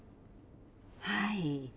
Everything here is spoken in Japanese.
はい。